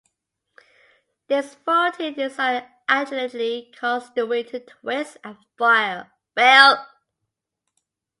This faulty design allegedly caused the wing to twist and fail.